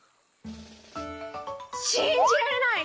「しんじられない！